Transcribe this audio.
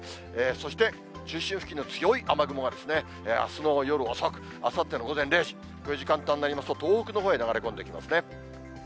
そして、中心付近の強い雨雲があすの夜遅く、あさっての午前０時、この時間帯になりますと、東北のほうへ、流れ込んできますね。